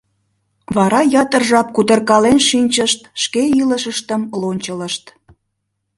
Вара ятыр жап кутыркален шинчышт, шке илышыштым лончылышт.